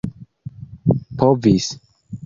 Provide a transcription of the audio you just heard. povis